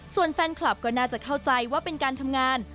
ส่วนแฟนคลับก็น่าจะเข้าใจว่าเป็นการทำงาน